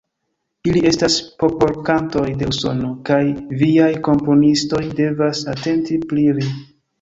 Ili estas popolkantoj de Usono kaj viaj komponistoj devas atenti pri ili.